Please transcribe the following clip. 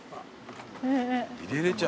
入れれちゃう？